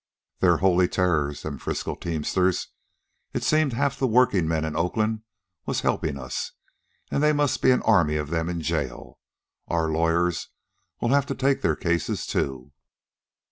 They're holy terrors, them Frisco teamsters. It seemed half the workingmen of Oakland was helpin' us, an' they must be an army of them in jail. Our lawyers'll have to take their cases, too.